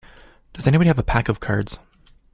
Does anybody have a pack of cards?